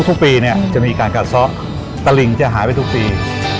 ทุกปีจะมีการกัดซ้อตริงหายไปทุกปี